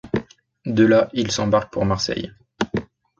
De là, il s'embarque pour Marseille.